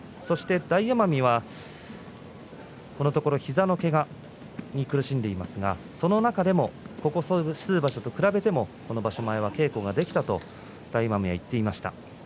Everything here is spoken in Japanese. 大奄美はこのところ膝のけがに苦しんでいますが、その中でもここ数場所と比べてこの場所前は稽古ができたと言っていました。